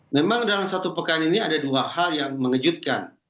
memang dalam satu pekan ini ada dua hal yang mengejutkan